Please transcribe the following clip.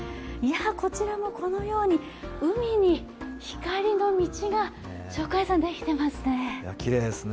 こちらもこのように海に光の道ができてますね。